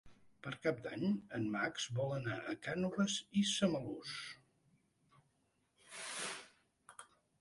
Per Cap d'Any en Max vol anar a Cànoves i Samalús.